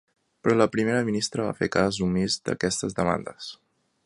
Però la primera ministra va fer cas omís d’aquestes demandes.